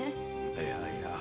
いやいや。